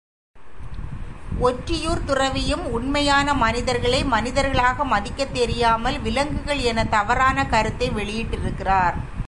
ஒற்றியூர்த் துறவியும் உண்மையான மனிதர்களை மனிதர்களாக மதிக்கத் தெரியாமல் விலங்குகள் எனத் தவறான கருத்தை வெளியிட்டிருக்கிறார்.